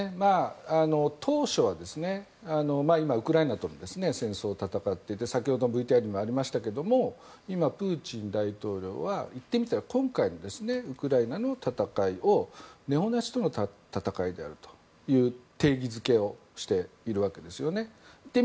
当初は今ウクライナと戦争を戦って先ほどもＶＴＲにありましたが今、プーチン大統領は言ってみたら今回のウクライナの戦いをネオナチとの戦いであるという定義付けをしているわけですね。